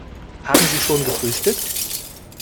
Haben Sie schon gefrühstückt?